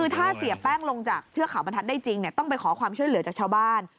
ถ้าเสียแป้งลงจากเทือกเขาบรรทัศน์ได้จริงต้องไปขอความช่วยเหลือจากชาวบ้าน